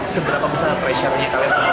seberapa besar pressurenya kalian sama